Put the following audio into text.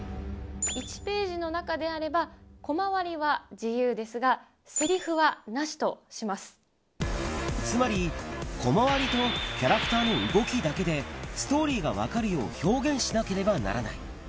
１ページの中であれば、コマ割りは自由ですが、つまり、コマ割りとキャラクターの動きだけで、ストーリーが分かるよう表現しなければならない。